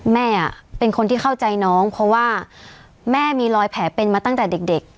แม่เป็นคนที่เข้าใจน้องเพราะว่าแม่มีรอยแผลเป็นมาตั้งแต่เด็ก